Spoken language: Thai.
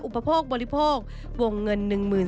อุปโภคบริโภควงเงิน๑๔๐๐